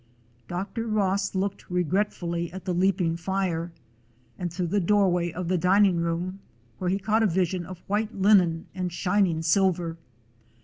Dr. Ross looked regretfully at the leaping fire, and through the doorway of the dining room, where' he caught a vision of white linen and shining silver.